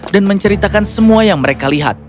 dan menceritakan semua yang mereka lihat